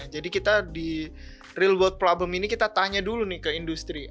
jadi kita di real world problem ini kita tanya dulu nih ke industri